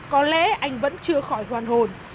có lẽ anh vẫn chưa khỏi hoàn hồn